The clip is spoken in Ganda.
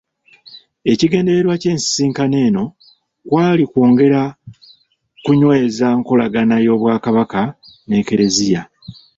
Ekigendererwa ky’ensisinkano eno kwali kwongera kunyweza nkolagana y’Obwakabaka n’Eklezia.